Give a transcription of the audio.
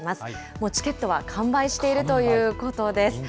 もうチケットは完売しているということです。